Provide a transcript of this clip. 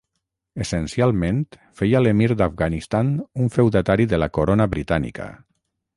Essencialment feia l'emir d'Afganistan un feudatari de la Corona Britànica.